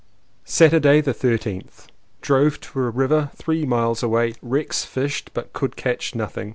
Saturday the 13th. Drove to a river three miles away. Rex fished, but could catch nothing.